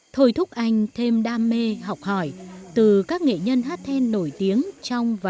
thổi thúc anh thêm đam mê học hỏi từ các nghệ nhân hát then nổi tiếng trong vài năm